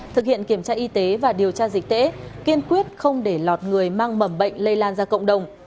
thực hiện kiểm tra y tế và điều tra dịch tễ kiên quyết không để lọt người mang mầm bệnh lây lan ra cộng đồng